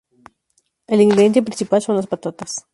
El ingrediente principal son las patatas.